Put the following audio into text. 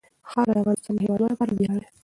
خاوره د افغانستان د هیوادوالو لپاره ویاړ دی.